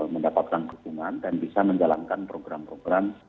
mendapatkan dukungan dan bisa menjalankan program program